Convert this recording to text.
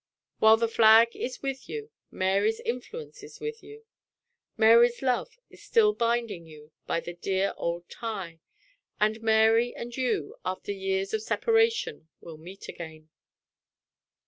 While the flag is with you, Mary's influence is with you; Mary's love is still binding you by the dear old tie; and Mary and you, after years of separation, will meet again!"